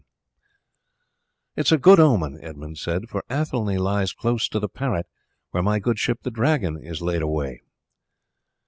"It is a good omen," Edmund said, "for Athelney lies close to the Parrot, where my good ship the Dragon is laid away."